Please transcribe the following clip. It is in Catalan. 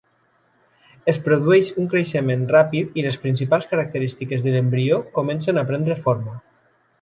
Es produeix un creixement ràpid i les principals característiques de l'embrió comencen a prendre forma.